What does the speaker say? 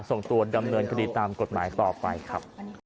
ส่งตัวดำเนินคดีตามกฎหมายต่อไปครับ